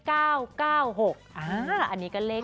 อันนี้ก็เลขสุด